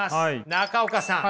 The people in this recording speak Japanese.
中岡さん。